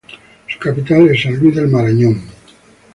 Su capital es San Luis del Marañón.